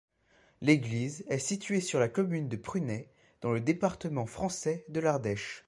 L'église est située sur la commune de Prunet, dans le département français de l'Ardèche.